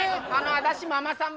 私ママさん